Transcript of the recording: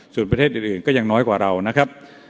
ส่วนประเทศอื่นก็ยังน้อยกว่าเรานะครับ